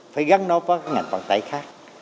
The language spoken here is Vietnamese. phải gắn nó với các ngành hoàn tải khác